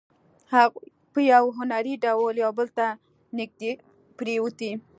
هغوی په یو هنري ډول یو بل ته نږدې پرېوتې